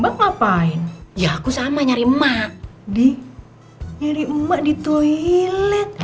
bapakin ya aku sama nyari emak di nyari emak di toilet